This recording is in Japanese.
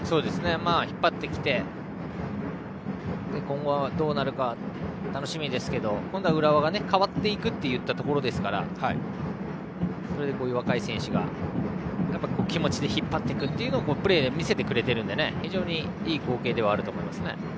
引っ張ってきて今後どうなるか楽しみですが今度は浦和が変わっていくといったところなので若い選手が気持ちで引っ張っていくというのをプレーで見せてくれているので非常にいい光景ではありますね。